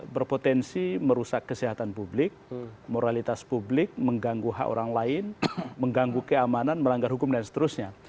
berpotensi merusak kesehatan publik moralitas publik mengganggu hak orang lain mengganggu keamanan melanggar hukum dan seterusnya